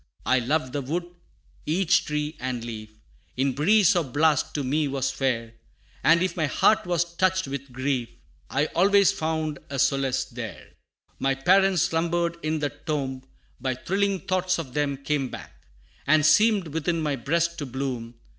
I loved the wood each tree and leaf, In breeze or blast, to me was fair, And if my heart was touched with grief, I always found a solace there. My parents slumbered in the tomb; But thrilling thoughts of them came back, And seemed within my breast to bloom.